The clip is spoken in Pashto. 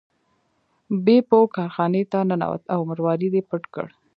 بیپو کارخانې ته ننوت او مروارید یې پټ کړ.